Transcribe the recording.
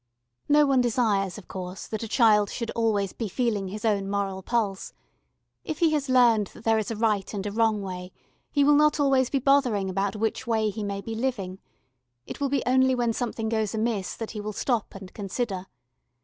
No one desires, of course, that a child should be always feeling his own moral pulse: if he has learned that there is a right and a wrong way he will not be always bothering about which way he may be living it will be only when something goes amiss that he will stop and consider.